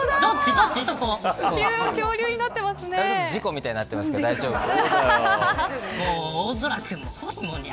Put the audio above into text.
事故みたいになってますが大丈夫ですか。